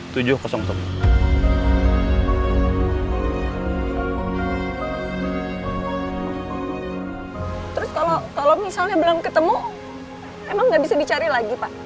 terus kalau misalnya belum ketemu emang nggak bisa dicari lagi pak